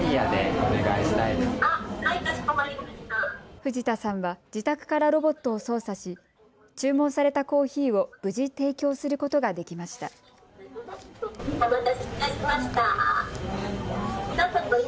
藤田さんは自宅からロボットを操作し注文されたコーヒーを無事、提供することができました。